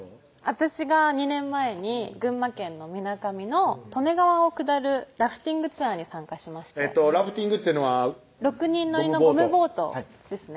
私が２年前に群馬県のみなかみの利根川を下るラフティングツアーに参加しましてラフティングっていうのは６人乗りのゴムボートですね